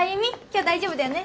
今日大丈夫だよね？